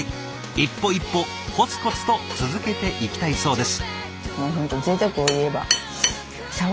一歩一歩コツコツと続けていきたいそうです。